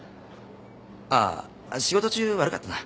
ああ仕事中悪かったな。